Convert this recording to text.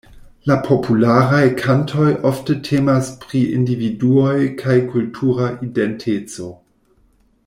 La popularaj kantoj ofte temas pri individuoj kaj kultura identeco.